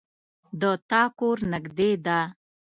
د تا کور نږدې ده